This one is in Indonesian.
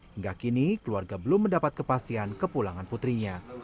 hingga kini keluarga belum mendapat kepastian kepulangan putrinya